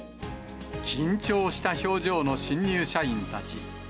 緊張した表情の新入社員たち。